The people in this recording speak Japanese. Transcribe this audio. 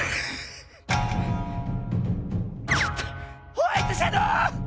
ホワイトシャドー！